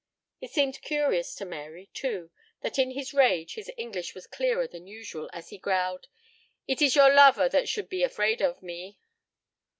It seemed curious to Mary, too, that in his rage his English was clearer than usual, as he growled: "It is your lover that should be afraid of me."